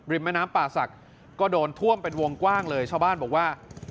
แม่น้ำป่าศักดิ์ก็โดนท่วมเป็นวงกว้างเลยชาวบ้านบอกว่า